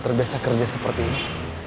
aku bisa kerja seperti ini